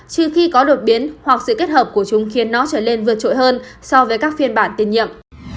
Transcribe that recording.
trừ khi có đột biến hoặc sự kết hợp của chúng khiến nó trở lên vượt trội hơn so với các phiên bản tiền nhiệm